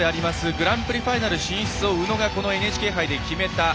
グランプリファイナル進出を宇野がこのＮＨＫ杯で決めた。